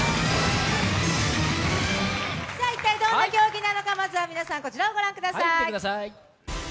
一体どんな競技なのか、まずは皆さん、こちらをご覧ください。